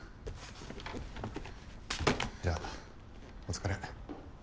じゃあお疲れ。